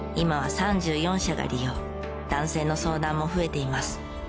男性の相談も増えています。